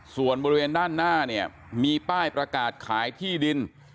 ส่วนบริเวณด้านหน้าเนี่ยมีป้ายประกาศขายที่ดิน